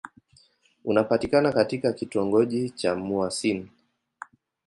Unapatikana katika kitongoji cha Mouassine.